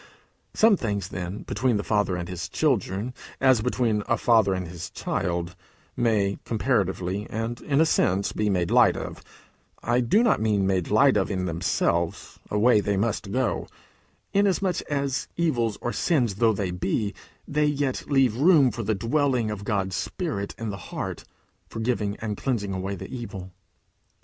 Some things, then, between the Father and his children, as between a father and his child, may comparatively, and in a sense, be made light of I do not mean made light of in themselves: away they must go inasmuch as, evils or sins though they be, they yet leave room for the dwelling of God's Spirit in the heart, forgiving and cleansing away the evil.